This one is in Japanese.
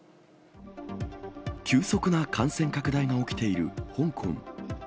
急速な感染拡大が起きている香港。